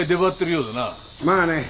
まあね。